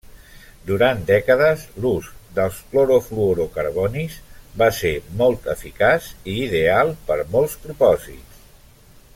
Durant dècades, l'ús dels clorofluorocarbonis va ser molt eficaç i ideal per molts propòsits.